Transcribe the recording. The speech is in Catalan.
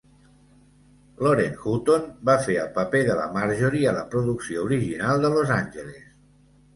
Lauren Hutton va fer el paper de la Marjorie a la producció original de Los Angeles.